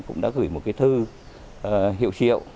cũng đã gửi một thư hiệu triệu